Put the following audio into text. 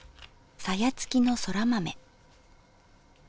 さや付きのそら豆。